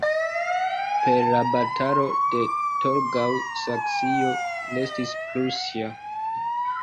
Per la Batalo de Torgau Saksio restis prusia.